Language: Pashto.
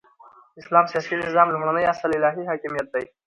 د اسلام سیاسی نظام لومړنی اصل الهی حاکمیت دی،